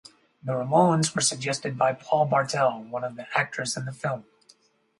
The Ramones were suggested by Paul Bartel, one of the actors in the film.